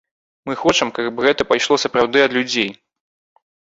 Мы хочам, каб гэта пайшло сапраўды ад людзей.